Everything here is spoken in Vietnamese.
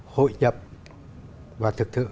hội nhập và thực thực